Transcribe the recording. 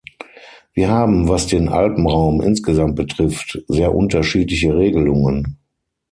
Wir haben, was den Alpenraum insgesamt betrifft, sehr unterschiedliche Regelungen.